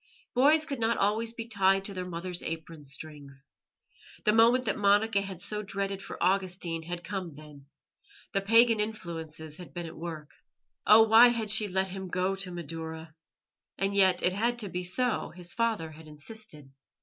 Boys could not always be tied to their mother's apron strings. The moment that Monica had so dreaded for Augustine had come then; the pagan influences had been at work. Oh, why had she let him go to Madaura? And yet it had to be so; his father had insisted.